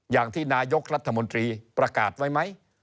อย่างที่นายกรัฐมนตรีประกาศไว้ไหม